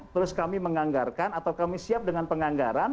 terus kami menganggarkan atau kami siap dengan penganggaran